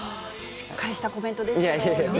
しっかりしたコメントですけいやいや。